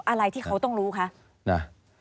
อะไรที่เขาต้องรู้คะ